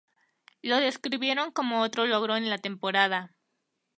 Lo describieron como "Otro logro en la temporada.